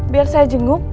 biar saya jenguk